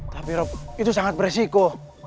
tapi itu sangat beresiko